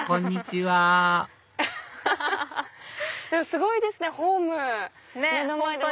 すごいですねホーム目の前で。